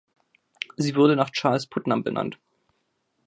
Sie wurde nach Charles Putnam benannt.